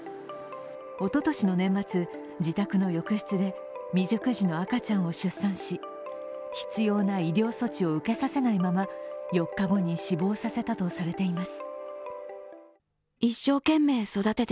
おととしの年末、自宅の浴室で未熟児の赤ちゃんを出産し、必要な医療措置を受けさせないまま４日後に死亡させたとされています。